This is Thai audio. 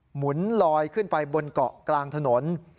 หมุนลอยขึ้นไปบนเกาะกลางถนน